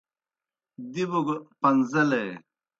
دِبوْ گہ پن٘زیلے۔